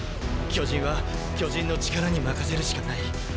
巨人は巨人の力に任せるしかない！